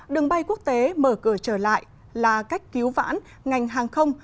đường bay quốc tế mở cửa trở lại là cách cứu vãn ngành hàng không